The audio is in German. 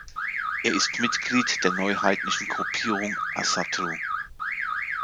Er ist Mitglied der neuheidnischen Gruppierung Ásatrú.